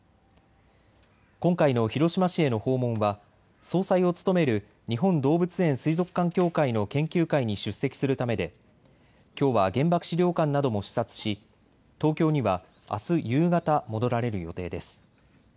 今回の広島市への訪問は総裁を務める日本動物園水族館協会の研究会に出席するためできょうは原爆資料館なども視察し東京にはあす夕方戻られる予定です。